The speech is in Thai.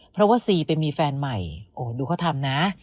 เพราะว่าซีไปมีแฟนใหม่โอ้ดูเขาทำนะ